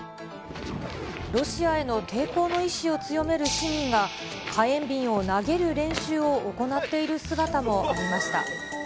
ロシアへの抵抗の意思を強める市民が、火炎瓶を投げる練習を行っている姿もありました。